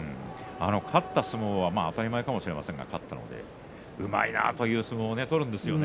勝った相撲は当たり前だと当たり前かもしれませんがうまいなという相撲を取るんですよね。